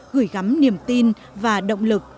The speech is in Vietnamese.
gửi gắm niềm tin và động lực